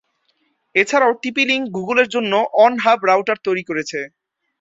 এছাড়াও টিপি-লিঙ্ক গুগলের জন্য অন-হাব রাউটার তৈরি করেছে।